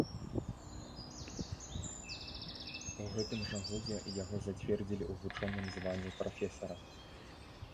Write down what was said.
У гэтым жа годзе яго зацвердзілі ў вучоным званні прафесара.